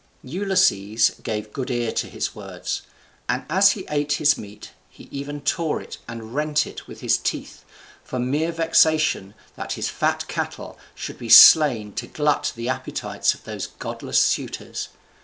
'] Ulysses gave good ear to his words; and as he ate his meat, he even tore it and rent it with his teeth, for mere vexation that his fat cattle should be slain to glut the appetites of those godless suitors.